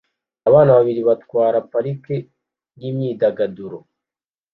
Abana babiri batwara parike yimyidagaduro